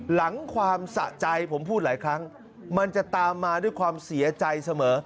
หลังความสะใจผมพูดหลายครั้งมันจะตามมาด้วยความเสียใจเสมอ